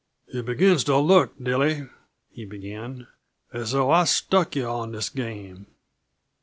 "It begins to look, Dilly," he began, "as though I've stuck yuh on this game.